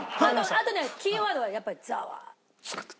あとねキーワードはやっぱり。